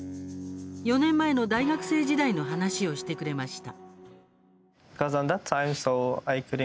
４年前の大学生時代の話をしてくれました。